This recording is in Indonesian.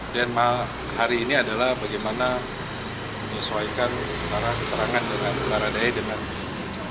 dan hari ini adalah bagaimana menyesuaikan kekerangan dengan para dae dan saksi lainnya